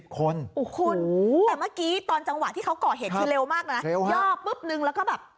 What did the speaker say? คุณแต่เมื่อกี้ตอนจังหวะที่เขาก่อเหตุคือเร็วมากนะย่อปุ๊บนึงแล้วก็แบบ